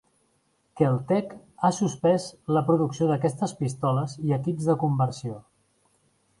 Kel-Tec ha suspès la producció d'aquestes pistoles i equips de conversió.